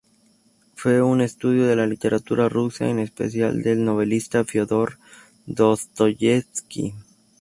Fue un estudioso de la literatura rusa, en especial del novelista Fiódor Dostoyevski.